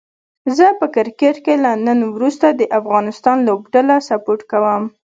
زه په کرکټ کې له نن وروسته د افغانستان لوبډله سپوټ کووم